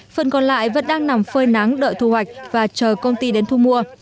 phần còn lại vẫn đang nằm phơi nắng đợi thu hoạch và chờ công ty đến thu mua